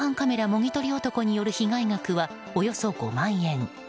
もぎ取り男による被害額はおよそ５万円。